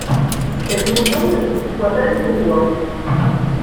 Cette motion ne fut toutefois pas mise aux voix.